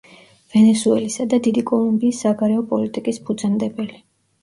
ვენესუელისა და დიდი კოლუმბიის საგარეო პოლიტიკის ფუძემდებელი.